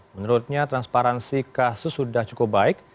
menurutnya transparansi kasus sudah cukup baik